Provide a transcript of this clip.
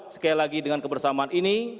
sekali lagi dengan kebersamaan ini